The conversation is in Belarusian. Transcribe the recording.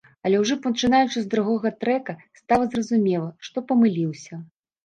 Але ўжо пачынаючы з другога трэка, стала зразумела, што памыліўся.